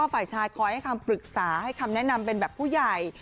ฝ่ายชายคอยให้คำปรึกษาให้คำแนะนำเป็นแบบผู้ใหญ่